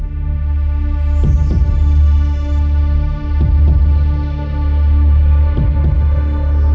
ถ้าพร้อมอินโทรเพลงที่สี่มาเลยครับ